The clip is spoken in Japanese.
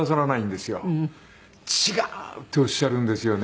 「違う」っておっしゃるんですよね。